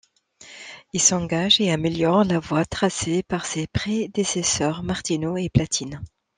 Il s’engage et améliore la voie tracée par ses prédécesseurs Martino et Platine.